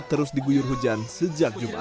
terus diguyur hujan sejak jumat